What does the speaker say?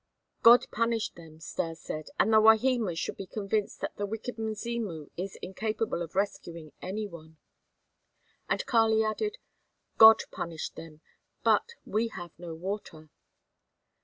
"God punished them," Stas said, "and the Wahimas should be convinced that the wicked Mzimu is incapable of rescuing any one." And Kali added: "God punished them, but we have no water."